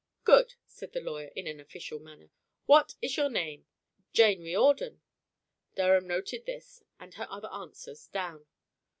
"Good!" said the lawyer in an official manner. "What is your name?" "Jane Riordan." Durham noted this and her other answers down.